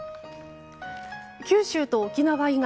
九州と沖縄以外